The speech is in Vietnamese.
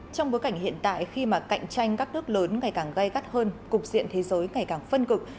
trong bối cảnh hiện tại khi mà cạnh tranh các nước lớn ngày càng gây gắt hơn cục diện thế giới ngày càng phân cực